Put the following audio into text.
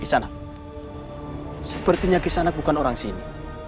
kisanak sepertinya kisanak bukan orang sini